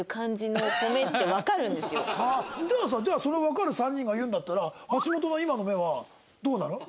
じゃあさじゃあそれわかる３人が言うんだったら橋本の今の目はどうなの？